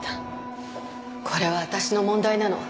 これは私の問題なの。